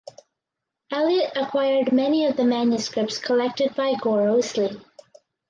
Elliott acquired many of the manuscripts collected by Gore Ouseley.